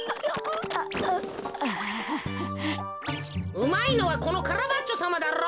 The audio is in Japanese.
うまいのはこのカラバッチョさまだろ！